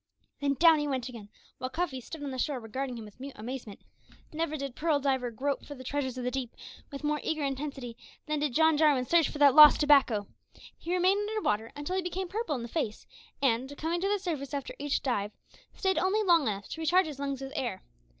Then down he went again, while Cuffy stood on the shore regarding him with mute amazement. Never did pearl diver grope for the treasures of the deep with more eager intensity than did John Jarwin search for that lost tobacco. He remained under water until he became purple in the face, and, coming to the surface after each dive, stayed only long enough to recharge his lungs with air.